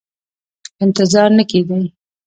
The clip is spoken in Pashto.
انتظار نه کېدی.